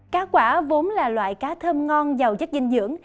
cá quả vốn là loại cá thơm ngon giàu chất dinh dưỡng